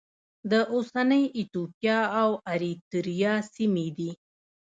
د اوسنۍ ایتوپیا او اریتریا سیمې دي.